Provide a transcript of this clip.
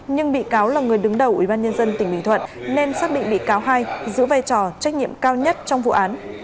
nhưng bị cáo là người đứng đầu ubnd tỉnh bình thuận nên xác định bị cáo hai giữ vai trò trách nhiệm cao nhất trong vụ án